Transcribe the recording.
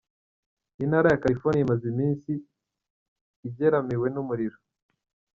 Intara ya California imaze imisi igeramiwe n'umuriro.